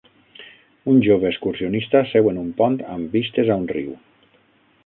Un jove excursionista seu en un pont amb vistes a un riu.